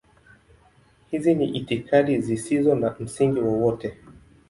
Hizi ni itikadi zisizo na msingi wowote.